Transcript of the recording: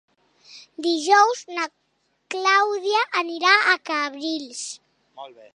Dijous na Clàudia anirà a Cabrils.